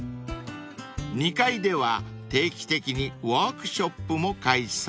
［２階では定期的にワークショップも開催］